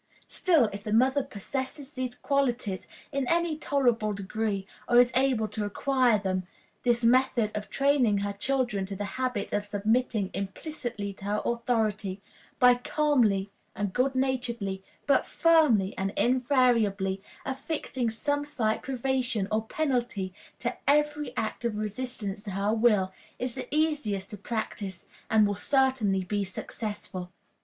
Still, if the mother possess these qualities in any tolerable degree, or is able to acquire them, this method of training her children to the habit of submitting implicitly to her authority, by calmly and good naturedly, but firmly and invariably, affixing some slight privation or penalty to every act of resistance to her will, is the easiest to practice, and will certainly be successful.